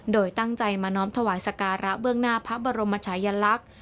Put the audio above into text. โดยตั้งใจมาน้อมถวายสการะเบื้องหน้าพระบรมชายลักษณ์